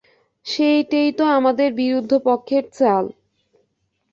সেইটেই তো আমাদের বিরুদ্ধ পক্ষের চাল।